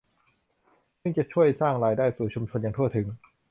ซึ่งจะช่วยสร้างรายได้สู่ชุมชนอย่างทั่วถึง